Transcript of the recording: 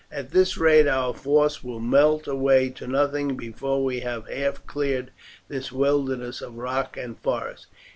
At this rate our force will melt away to nothing before we have half cleared this wilderness of rock and forest.